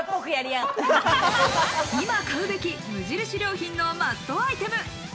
今買うべき無印良品のマストアイテム。